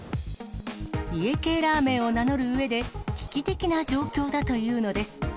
家系ラーメンを名乗るうえで、危機的な状況だというのです。